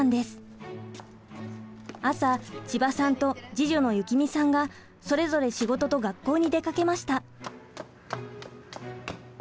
朝千葉さんと次女の幸実さんがそれぞれ仕事と学校に出かけました。